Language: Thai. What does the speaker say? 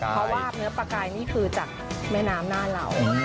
เพราะว่าเนื้อปลากายนี่คือจากแม่น้ำหน้าเรา